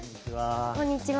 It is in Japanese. こんにちは。